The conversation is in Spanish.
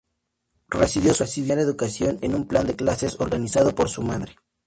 Recibió su primera educación en un plan de clases organizado por su madre.